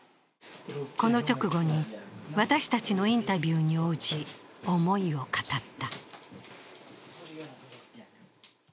この直後に私たちのインタビューに応じ、思いを語った。